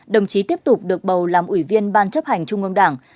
đồng chí tiếp tục được bầu làm ủy viên ban chấp hành trung ương đảng